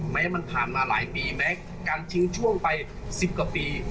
แม้มันผ่านมาหลายปีแม้การทิ้งช่วงไป๑๐กว่าปี